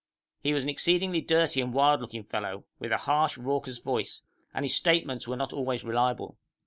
He was an exceedingly dirty and wild looking fellow, with a harsh, raucous voice, and his statements were not always reliable.